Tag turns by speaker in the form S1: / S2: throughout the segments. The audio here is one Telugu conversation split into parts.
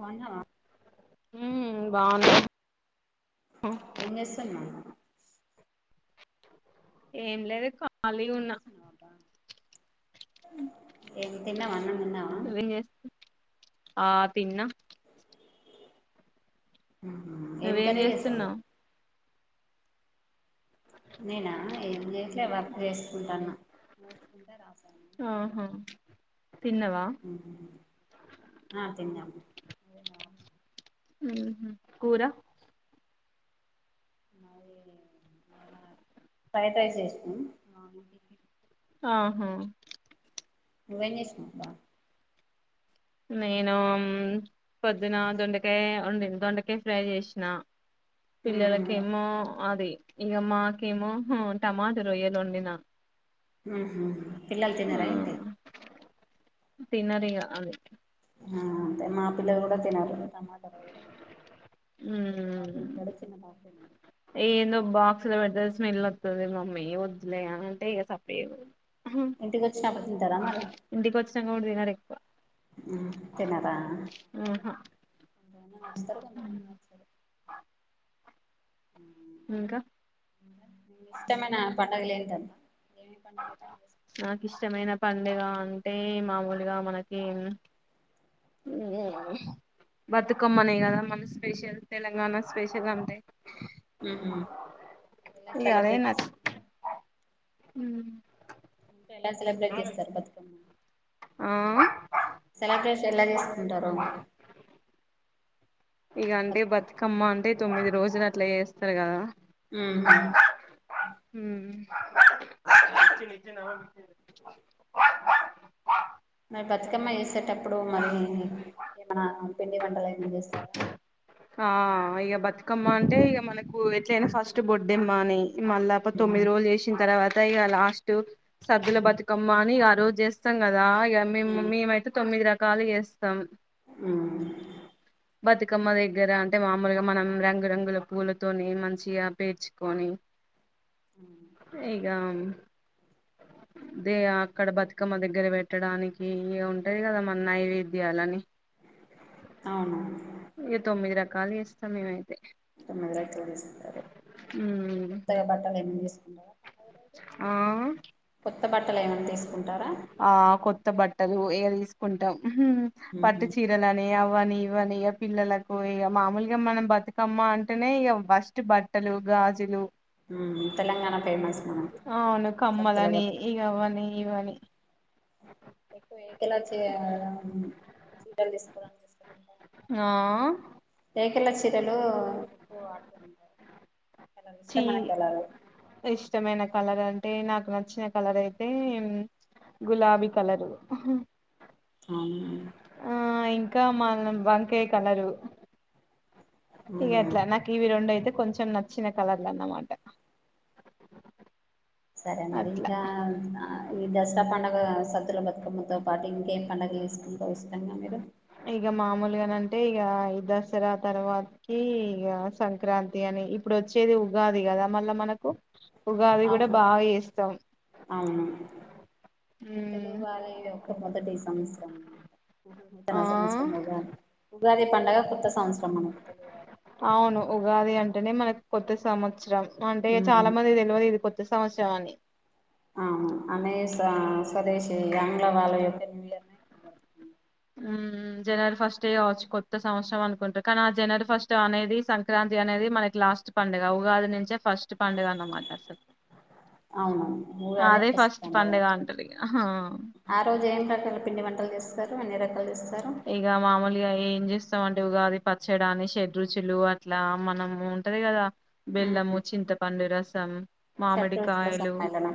S1: బాగున్నావా
S2: హు బాను
S1: ఏం చేస్తున్నావ్
S2: ఏం లేదు కా
S1: ఎం చేస్తున్నావ్ అబ్బా ఏం తిన్నవ ఆన్నాం తీన్నావా
S2: నువ్వేం చేస్ ఆ తిన్న
S1: హ్ ఏం
S2: నువ్వేం
S1: కర్రీ చేసావ్
S2: చేస్తున్నావ్
S1: నేనా ఏం చేయాట్లే వర్క్ చేసుకుంటాన్న చూసుకుంట రాసాను
S2: ఆహా తిన్నవా
S1: ఆ తిన్నాం
S2: ఉ హ్ కూర
S1: మది ఇయల అ ఫైడ్ రైస్ చేసినం
S2: ఆహా
S1: నువ్వు ఏం చేస్తున్నావ్ అబ్బా
S2: నేను పొద్దున దొండకాయ ఉండింది దొండకాయ ఫ్రై జే సిన పిల్లలకేమో అది ఇక మాకేమో టమాట రొయ్యలు వండినా
S1: హహ పిల్లలు తిన్నరా ఏంటి
S2: తిన్నరిగా అ
S1: ఆ అదే మాపిల్లలు కూడా తినారు టమాట [inaudible] తి పెద్ద బాబ్
S2: హ్మ్
S1: తిన్నాడు చిన్న పాప తినారు
S2: ఏందో బాక్స్ లో పెడితే స్మెల్ వత్తది మమ్మీ ఏం వద్దులే అంటే ఇగ సప్పే
S1: ఇంటికి వచ్చిన
S2: ఇంటికి వచ్చినంక కూడ్ తినరిగ
S1: తినదా [inaudible]
S2: ఆహా ఇంకా
S1: ఇష్టమేనా పండగ లేదన ఏమేం పండుగలు ఎప్పుడు చేసుకుంటారు
S2: నాకు ఇష్టమైన పండుగ అంటే మామూలుగా మనకి ఉమ్ మ్ బతుకమ్మనే కదా మన స్పెషల్ తెలంగాణ స్పెషల్ అంటే
S1: ఉమ్
S2: ఉమ్
S1: కా ఎలా సెలబ్రేట్ చేస్తారు బతుకమ్మ
S2: ఆ
S1: సెలబ్రేష్ ఎలా చేసుకుంటారు
S2: ఇగ అంటే బతుకమ్మ అంటే తొమ్మిది రోజులు అట్లా చేస్తారు గదా
S1: మ్మ్
S2: ఉమ్
S1: మరి బతుకమ్మ చేసేటప్పుడు మరి ఏమనా పిండి వంటలు ఏమైనా చేస్తారా
S2: ఆ ఇగ బతుకమ్మ అంటే ఇక మనకు ఎట్లయినా ఫస్ట్ బొడ్డెమ్మ అని మళ్ళ ప తొమ్మిది రోజులు జెసిన్ తర్వాత ఇగ లాస్ట్ సద్దుల బతుకమ్మ అని ఆరో జేస్తాం కద రా ఇగ మీ మమ్మీమైతే తొమ్మిది రా కాలి చేస్తాం
S1: ఉమ్
S2: బతికమ్మ దే దగ్గర అంటే మామూలుగా మనం రంగురంగుల పూలతోని మంచిగా పేర్చుకొని ఇగా అదే అక్కడ బతుకమ్మ దగ్గర పెట్టడానికి ఇగ ఉంటాయి గదా మన్ నైవేద్యాలన్నీ
S1: అవునవును
S2: తొమ్మిది రకాలు చేస్తమ్మేమయితే
S1: మొత్తం ఇడా అట్లే చేస్తారు
S2: ఉమ్
S1: కొత్తగా బట్టలు ఏం తీస్
S2: ఆ
S1: కొత్త బట్టలు ఏమైన్నా తీసుకుంటారా
S2: ఓ ఏవి తీసుకుంటాం
S1: ఉహు
S2: పట్టు చీరలనీ అవని ఇవని ఇగ పిల్లలకు ఇగ మామూలుగా మనం బతుకమ్మ అంటేనే ఇక ఫస్ట్ బట్టలు గాజులు
S1: ఉం తెలంగాణ ఫేమస్ మనకి సద్దుల బతుక
S2: మనీ ఇవాలి
S1: ఎక్కువ ఏకలా చీ
S2: ఆ
S1: తేకల చీరలు ఎక్కువ వాడుతుంట
S2: చీ
S1: ఇష్టం మ
S2: ఇష్టమైన కలర్ అంటే నాకు నచ్చిన కలర్ అయితే గులాబీ కలరు
S1: అవును
S2: ఆ ఇంకా మ వంకాయ కలరు ఇగ అట్లా నాకు ఇవి రెండు అయితే కొంచెం కొంచెం నచ్చిన కలర్లన్నమాట
S1: సరే మరి ఇంకా ఇంకా ఈ దసరా పండ సద్దుల బతుకమ్మతో పాటు ఇంకేం పండగ చేసుకుంటా వస్తాం మీరు
S2: నంటే ఇగ ఈ దసరా తర్వాతకి ఇగ సంక్రాంతి అని ఇప్పుడు వచ్చేది ఉగాది గదా మళ్ళ మనకు ఉగాది కూడా
S1: అవును
S2: బాగా చేస్తాం
S1: అవును
S2: ఉమ్
S1: తెలుగు వాళ్ల యొక్క మొదటి సంవత్సరం అన్నమాట నూతన
S2: ఆ
S1: సంవత్సరం ఉగాది ఉగాది పండగ కొత్త సంవత్సరం మనకి తెలుగుారు
S2: అవును ఉగాది అంటనే మనకు కొత్త సంవత్సరం అంటే
S1: ఉమ్
S2: చాలా మంది తెలివ ఇదికచ్చ సవత్స అని
S1: ఆ అనే స్వదేశి ఆంగ్ల వాళయక్కన్ల
S2: జనవరి ఫస్ట్ కావచ్చు కొత్త సంవత్సరం అనుకుంటారు కానీ ఆ జనవరి ఫస్ట్ అనేది సంక్రాంతి అనేది మనకి లాస్ట్ పండుగ ఉగాది నుంచే ఫస్ట్ పండుగ అన్నమాట అసలు
S1: అవునవును ఊగా
S2: ఆ,
S1: అదే
S2: ఫస్ట్
S1: ప్రస్తుతంండగా
S2: పండుగ అంటారు ఇగ
S1: ఆ రోజు ఏం రకాల పిండి వంట రలు చేస్తారు అన్ని రకాలు చేస్తారు
S2: ఇక మామూలుగా ఏం చేస్త వంటివిగాది పచ్చడాని షడ్ రుచులు అట్లా మనం ఉంటది కదా బెల్లము
S1: ఉమ్
S2: చింత పండు రాస్త మ్ మామిడి
S1: షడ్రుచుల
S2: కాయలు
S1: సమ్మేళనం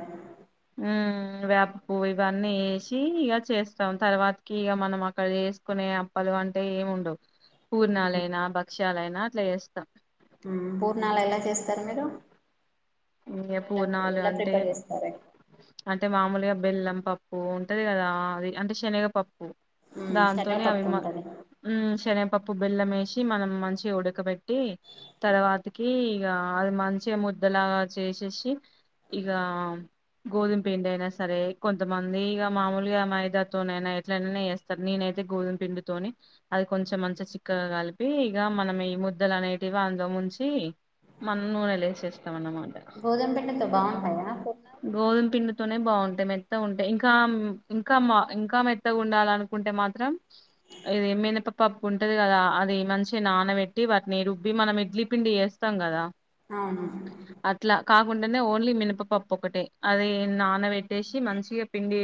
S2: వేప పువ్వు ఇవన్నీ వేసి ఇక చేస్తాం తర్వాతకి ఇక మనం అక్కడ చేస్ కొనే అప్పలు అంటే ఏండవు పూర్ణాలయనా భక్ష చాలా అయినా అట్లా చేస్తాం
S1: పూర్ణాలు ఎలా చేస్తారు మీరు మీ
S2: ఇంకా
S1: ఇంట్లో ఎలా
S2: పూర్ణాలు
S1: ఎలా
S2: అంటే
S1: ప్రిపేర్ చేస్తారు ఎక్కువ
S2: అంటే మామూలుగా బెల్లం పప్పు ఉంటది కదా అది అంటే శనగ పప్పు
S1: ఉమ్
S2: దాంతోనే
S1: శనగపప్పు
S2: అభిమా
S1: ఉంటది
S2: ఊ శనపప్పు బెల్లమే మన మంచి ఉడకబట్టి తర్వాతకి ఇగ అది మంచిగ ముద్దలాగ చేసేసి ఇక గోధుమ పిండి అయినా సరే కొంతమంది ఇక మామూలుగా మైదాతోనైనా ఎట్లయినా వేస్తారు నేనైతే గోధుమ పిండితోని అది కొంచెం మంచిగా చిక్కగా కలిపి ఇక మనం ఈ ముద్దలు అనేటివి అందులో ముంచి మనం నూనె లేేసేస్తాం అన్నమాట
S1: గోధుమ పిండితో బాగుంటాయా పూర్ణాలు
S2: నే బాగుంటాయి మెత్తగా ఉంటా ఇంకా ఇంకా మా ఇంకా మెత్తగా ఉండాల అనుకుంటే మాత్రం ఇది మినపపప్పు ఉంటది కదా అది మంచి నానబెట్టి వాటిని రుబ్బి మనం ఇడ్లీ పిండి వేస్తాం కదా
S1: అవును
S2: అట్లా కాకుండానే ఓన్లీ మినపపప్పు ఒకటిే అది నానబెట్టేసి మంచిగా పిండి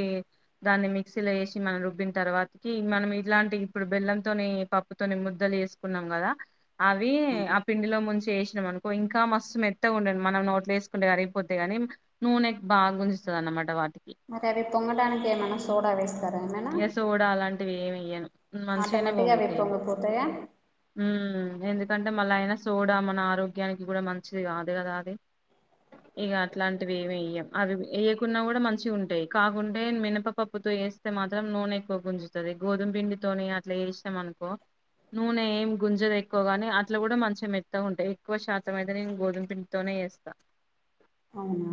S2: దాన్ని మిక్సీలో వేసి మనం రుబ్బిన తర్వాతకి మనం ఇలాంటి ఇప్పుడు బెల్లంతోని పప్పుతోని ముద్దలు వేసుకున్నాం కదా అవి
S1: ఉమ్
S2: ఆ పిండిలో ముంచి చేసాం అనుకో ఇంకా మస్తు మెత్తగా ఉండం మనం నోట్లు వేసుకుంటే అరిగిపోతే గాని నూనె బాగా గుంజుస్తుంది అన్నమాట వాటికి
S1: మరి అవి పొంగడానికి ఏమైనా సోడా వేస్తారా ఏమైనా
S2: ఎస్ోడా అలాంటివి ఏమియ్యాను మంచిగానే
S1: ఆటోమేటిక్గా అవి
S2: వొంగితను
S1: పొంగిపోతాయా
S2: ఎందుకంటే మళ్ళా ఆయన సోడా మన ఆరోగ్యానికి కూడా మంచిది కాదు కదా అది ఇక అట్లాంటివి ఏమి వెయ్యం అవి వేయకున్నా కూడా మంచి ఉంటాయి కాకుంటే మినపపప్పుతో వేస్తే మాత్రం నూనె ఎక్కువ గుంజుతది గోధుమ పిండితోనే అట్లా వేస్తాం అనుకో నూనె ఏమి గుంజదు ఎక్కువగాని అట్లా కూడా మంచిగా మెత్త ఉంటాయి ఎక్కువ శాతం అయితే నేను గోధుమపిండి తోనే వేస్తా
S1: అవునా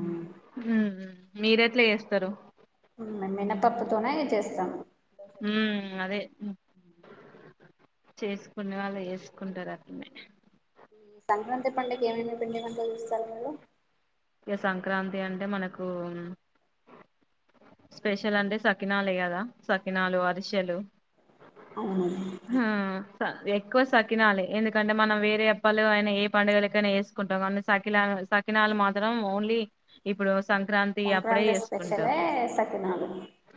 S2: మీరు ఎట్లా చేస్తారు
S1: మినపప్పుతోనె చేస్తాం
S2: ఉమ్ అదే చేసుకునే వాళ్ళు చేసుకుంటారు అట్లనే
S1: సంక్రాంతి పండుగ ఏమేమి పిండి వంటలు చేస్తారు మీరు
S2: ఇక సంక్రాంతి అంటే మనకు స్పెషల్ అంటే సకినాలె కదా సకినాలు అరిసెలు
S1: అవును
S2: హా! ఎక్కువ సకినాలే ఎందుకంటే మనం వేరే అప్పలు అయినా ఏ పండుగలకైనా వేసుకుంటాం కానీ సకినా సకినాలు మాత్రం ఓన్లీ ఇప్పుడు సంక్రాంతి అప్పుడే
S1: సంక్రాంతి
S2: చేసుకుంటాం
S1: స్పెషలే సకినాలు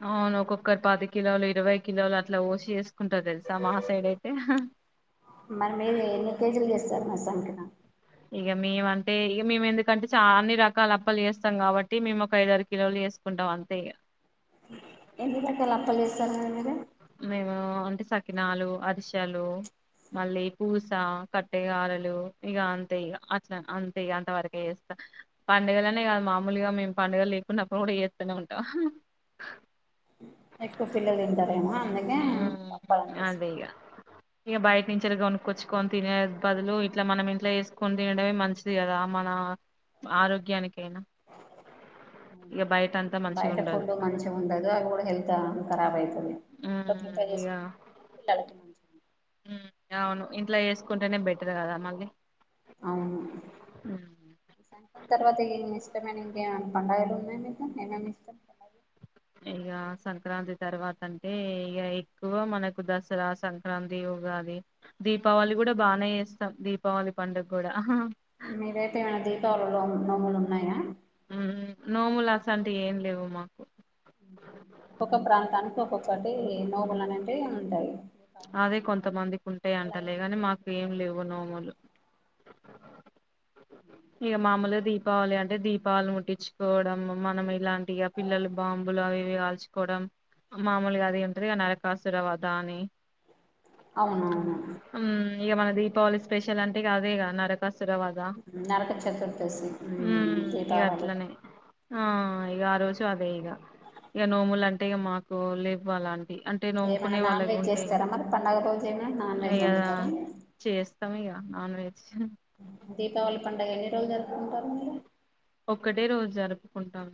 S2: అవును ఒక ఒకరు పది కిలోలు ఇరవై కిలోలు అట్లా ఓసి చేేసుకుంటా తెలుసా మా సైడ్ అయితే
S1: మరి మీరు ఎన్ని కేజీలు చేస్తారు మా సకినాలు
S2: ఇక మేము అంటే ఇక మేము ఎందుకంటే చా అన్ని రకాల అప్పలు చేస్తాం కాబట్టి మేము ఒక ఐదు ఆరు కిలోలు చేసుకుంటాం అంతే ఇక
S1: ఎన్ని రకాల [unintelligible]
S2: మేము అంటే సకినాలు అరిసలు మళ్ళీ పూస కట్టకారలు ఇక అంతే అట్ అంతే అంత వరకే చేస్తాం పండుగల అనే కాదు మామూలుగా మేము పండుగలు లేకున్నప్పుడు కూడా చేతనే ఉంటాం
S1: ఎక్కువ పిల్లలు తింటారేమో అందుకే తప్పదు అనిపిస్తుంది
S2: ఇక బయట నుంచి కొనుకొచ్చుకొని తినే బదులు ఇట్లా మనం ఇంట్లో చేసుకొని తినడమే మంచిది కదా మన ఆరోగ్యానికి నా ఇక బయట అంతా మంచి ఉండదు
S1: ఇప్పుడు హెల్త్ కరాబ్ అయితది ఇంట్లో
S2: మ్మ్
S1: ప్రిపేర్
S2: ఇగ
S1: చేసుకు పిల్లలకి మంచి
S2: అవును ఇంట్లో చేసుకుంటేనే బెటర్ కదా మళ్ళీ
S1: అవును
S2: మ్మ్
S1: సంక్రాంతి తర్వాత ఏమి ఇష్టమని ఏమనా పండుగలు ఉన్నాయి మీద నేమేమి ఇస్తా
S2: ఇక సంక్రాంతి తర్వాత అంటే, ఇక ఎక్కువ మనకు దసరా, సంక్రాంతి, ఉగాది, దీపావళి కూడా బాగానే చేస్తాం దీపావళి పండుగ కూడా
S1: మీవైతే ఏమైనా దీపావళిలో నోము నోములు ఉన్నాయా
S2: నోములసంటి ఏం లేవుమ్మా
S1: ఒక్క ప్రాంతానికి ఒక్కొక్కటి నోములు అనేటివి ఉంటాయి
S2: అదే కొంతమందికి ఉంటేయి
S1: అలాగే
S2: అంటలే
S1: మీదైతే
S2: మాకు ఏం
S1: ఉంటాయా
S2: లేవు నోములు ఇగా మామూలుగా దీప్ దీపావళి అంటే దీపాలు ముట్టించుకోవడం మనం ఇలాంటిగా పిల్లలు బాంబులు అవి ఇవి కాల్చుకోవడం, మామూలుగా అది ఏదో ఉంటది కదా నరకాసుర వదా అని
S1: అవునవును
S2: ఇక మన దీపావళి స్పెషల్ అంటే అదే గా నరకాసు
S1: నరక చతుర్దశి
S2: మ్మ్ ఇగ
S1: దీపావళి
S2: అట్లనే ఆ ఇక ఆ రోజు అదే ఇక ఇక నోములు అంటే ఇక మాకు లేవు అలాంటి అంటే నోముకునే వాళ్ళగా ఉ
S1: జరమత్ పండగ రోజైనా నాన్ వెెజ్ వండుతర
S2: ఈగ నాన్ వెజ్
S1: దీపావళి పండుగ ఎన్ని రోజులు జరుపుకుంటారు మీరు
S2: ఒక్కటే రోజు జరుపు జరుపుకుంటాం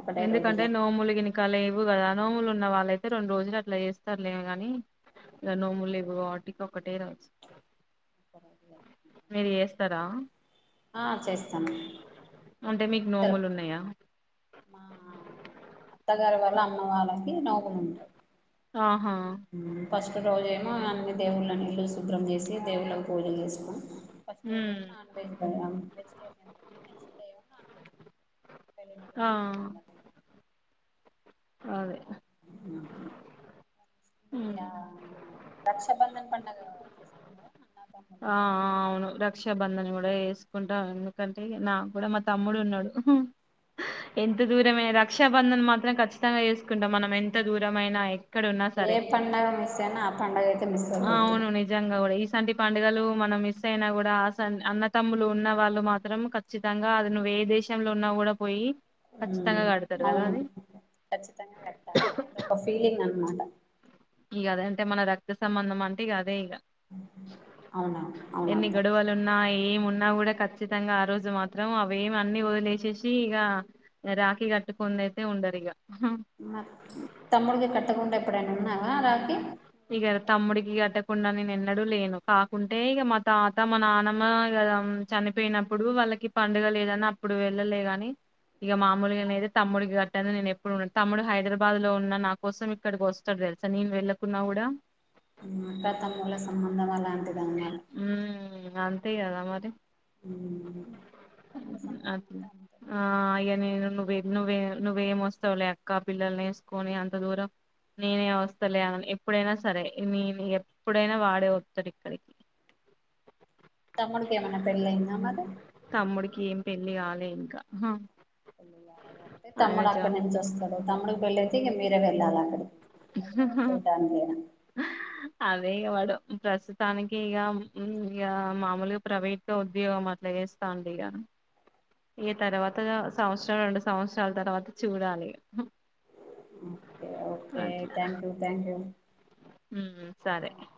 S1: ఒకటే రోజు
S2: ఎందుకంటే
S1: జరుపుకుంటారు
S2: నోములిగినక లే ఇవు కదా నోములు ఉన్న వాళ్ళయితే రెండు రోజులు అట్లా చేస్తారులేము కాని ఇలా నోములు ఇవు వాటికి ఒకటే రోజు మీరు చేస్తారా
S1: ఆ చేస్తాను
S2: అంటే
S1: రెండు
S2: మీకు
S1: రోజులు
S2: నోములు
S1: జరుపుత,
S2: ఉన్నాయా
S1: మా అత్తగారి వల్ల అమ్న్న వాళ్ళకి నౌకలు ఉంటాయి.
S2: ఆహా
S1: ఫస్ట్ రోజేమో అన్నీ దేవుళ్ళని ఇడ్లు శుభ్రం చేసి దేవుళ్ళకి పూజలు చేసుకుని పస్తల్
S2: ఉమ్
S1: ఏమోన నాన్ వెజ, వెజిటేయన్
S2: ఆ
S1: [inaudible] [inaudible]
S2: అదే ఉమ్
S1: ఆ రక్షాబంధన్ పండగ చేసుకున్నారా అ
S2: ఆ అవును రక్షా బంధన కూడా కుంటా ఎందుకంటే నా కూడా మా తమ్ముడు ఉన్నాడు, ఎంత దూరమైనా రక్షా బంధనం మాత్రం ఖచ్చితంగా చేసుకుంటాం, మనం ఎంత దూరమైనా ఎక్కడున్నా
S1: ఏ పండగ మిస్నా ఆ పండగ మిస్
S2: ఆ
S1: అవ్వద్దు
S2: అవునువుని జంగా కూడా సంటి పండుగలు మనం మిస్ అయినా కూడా అన్న తమ్ములు ఉన్న వాళ్ళు మాత్రం ఖచ్చితంగా అది నువవు ఏ దేశంలో ఉన్నా కూడా పోయి ఖచ్చితంగా కడతారు కదా
S1: అవును
S2: అది
S1: ఖచ్చితంగా కట్టాలి అదొ ఒక ఫీలింగ్ అనమాట
S2: ఇక అదే అంటే మన రక్త సంబంధం అంటే ఇ అదే ఇక
S1: అవునా అవునా
S2: ఎన్ని
S1: అక్క
S2: గడువలు ఉన్నాయి ఏమున్నా కూడా ఖచ్చితంగా ఆ రోజు మాత్రం అవేమి అన్ని వదిలేసేసి ఇక రాఖీ కట్టుకుంద అయితే ఉండరు ఇక
S1: మ తమ్ముడికి కట్టకుండా ఎప్పుడైనా ఉన్నా ఆ రాత్ర
S2: ఇక తమ్ముడికి గట కాకుండా నేను ఎన్నడూ లేను కాకుంటే ఇక మా తాత మా నానమ్మ ఇ చనిపోయినప్పుడు వాళ్ళకి పండుగ లేదని అప్పుడు వెళ్ళలే గాని ఇక మామూలుగా అనేతే తమ్ముడి గట్టని నేను ఎప్పుడున్నాను తమ్ముడు హైదరాబాద్ లో ఉన్న నా కోసం ఇక్కడికి వస్తాడు తెలుసా నేను వెళ్ళ పున్నావుడ
S1: మాట త మూల సంబంధం అలాంటిదమా
S2: ఉమ్ అంతే కదా మరి
S1: రక్త సంబంధం
S2: అది
S1: అంటే అంతే
S2: ఆ అయ్య నను నువ్వే నువ్వేమొస్తావులే అక్క పిల్లల్ని వేసుకొని అంత దూరం నేనే వస్తాలే అ ఎప్పుడైనా సరే నేను ఎప్పుడైనా వాడే వతడు ఇక్కడికి
S1: తమ్ముడుకి ఏమైన్నా పెళ్ళ అయిందా మది
S2: తమ్ముడికి ఏం పెళ్లి కాలే ఇంకా
S1: పెళ్ళాల కాటి
S2: ఆయన
S1: తమ్ముడు
S2: జా
S1: అక్కడి నుంచి వస్తాడు తమ్ముడికి పెళ్ళిైతే ఇక మీరే వెళ్ళాలి అక్కడికి హైదరాబాద్
S2: ఆ
S1: చూడ్డానికేనా
S2: అదే వాడు ప్రస్తుతానికి ఇక ఇక మామూలుగా ప్రైవేట్గా ఉద్యోగం అట్లా చేస్తాండి ఇక ఈ తర్వాత సంవత్సరం రెండు సంవత్సరాల తర్వాత చూడాలి
S1: okay okay thank you thank you
S2: హమ్మ్ సరే
S1: థ్యాంక్ యూ